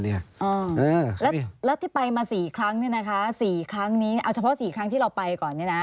เอาเฉพาะสี่ครั้งที่เราไปก่อน